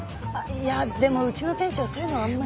いやでもうちの店長そういうのあんまり。